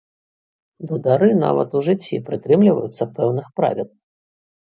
Дудары нават у жыцці прытрымліваюцца пэўных правілаў.